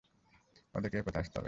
ওদেরকে এই পথেই আসতে হবে।